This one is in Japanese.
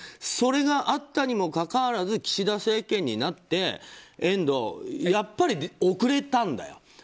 それがあったにもかかわらず岸田政権になって遠藤、やっぱり遅れたんだよ。